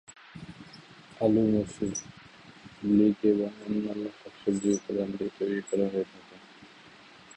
আলু, মসুর, লিক এবং অন্যান্য শাকসবজি উপাদান দিয়ে তৈরি করা হয়ে থাকে।